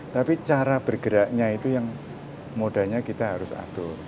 tapi cara bergeraknya itu yang modanya kita harus atur